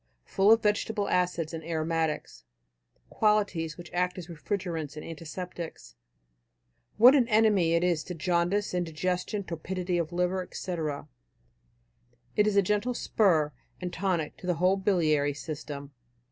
Full of vegetable acids and aromatics, qualities which act as refrigerants and antiseptics, what an enemy it is to jaundice, indigestion, torpidity of liver, etc. It is a gentle spur and tonic to the whole biliary system.